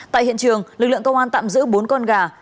tại hiện trường lực lượng công an tạm giữ bốn con gà